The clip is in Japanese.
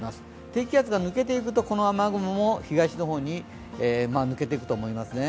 低気圧が抜けていくとこの雨雲も東の方に抜けていくと思いますね。